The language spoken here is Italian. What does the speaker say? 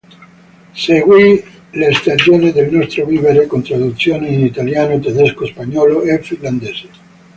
Seguì "Le stagioni del nostro vivere", con traduzione in italiano, tedesco, spagnolo e finlandese.